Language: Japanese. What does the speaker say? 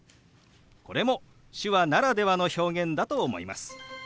これも手話ならではの表現だと思います。